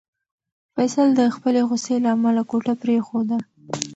فیصل د خپلې غوسې له امله کوټه پرېښوده.